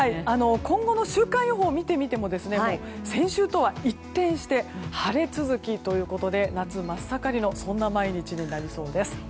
今後の週間予報を見てみても先週とは一転して晴れ続きということで夏真っ盛りのそんな毎日になりそうです。